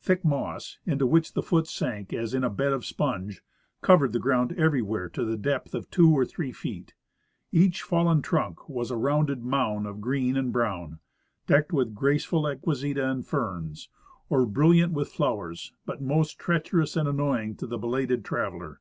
Thick moss, into which the foot sank as in a bed of sponge, covered the ground everywhere to the depth of two or three feet ; each fallen trunk was a rounded mound of green and brown, decked with graceful equiseta and ferns, or brilliant with flowers, but most treacherous and annoying to the belated traveler.